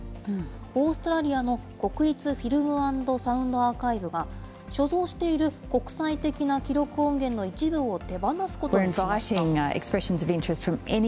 オーストラリアの国立フィルム＆サウンド・アーカイブが、所蔵している国際的な記録音源の一部を手放すことにしました。